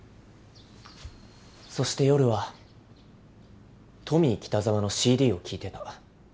そして夜はトミー北沢のＣＤを聴いてた。